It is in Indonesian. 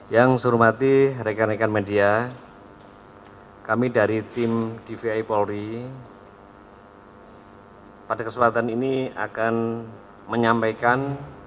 yang saya hormati rekan rekan media kami dari tim dvi polri pada kesempatan ini akan menyampaikan